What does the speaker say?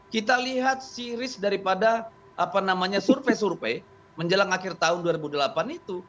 kita lihat series daripada apa namanya survei survei menjelang akhir tahun dua ribu delapan itu